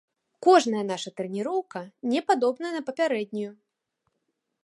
Кожная наша трэніроўка не падобная на папярэднюю.